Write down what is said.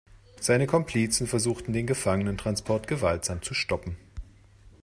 Seine Komplizen versuchten den Gefangenentransport gewaltsam zu stoppen.